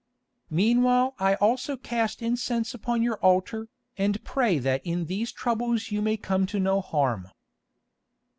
"Meanwhile I also cast incense upon your altar, and pray that in these troubles you may come to no harm.